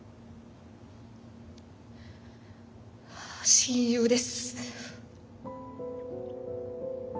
親友です。